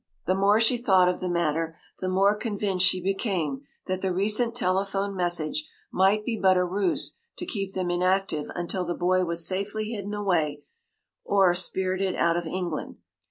The more she thought of the matter, the more convinced she became that the recent telephone message might be but a ruse to keep them inactive until the boy was safely hidden away or spirited out of England.